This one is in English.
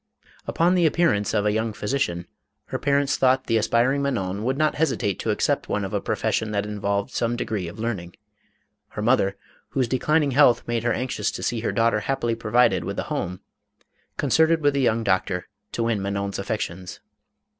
Upon the appearance of a young physician, her parents thought the aspiring Manon would not hesitate to accept one of a profession, that involved some de gree of learning. Her mother, whose declining health made her anxious to see her daughter happily provided with a home, concerted with the young doctor, to win Manon's affections.